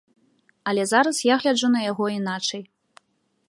Але зараз я гляджу на яго іначай.